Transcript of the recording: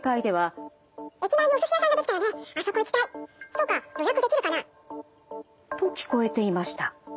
「そうか予約できるかな」。と聞こえていました。